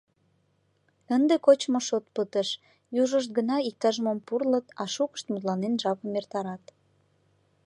Ынде кочмо шот пытыш, южышт гына иктаж-мом пурлыт, а шукышт мутланен жапым эртарат.